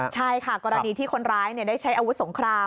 ใช่ค่ะกรณีที่คนร้ายได้ใช้อาวุธสงคราม